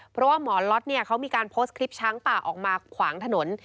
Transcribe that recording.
เพราะว่าหมอล็อตเนี่ยเขามีการโพสต์คลิปช้างป่าออกมาขวางถนน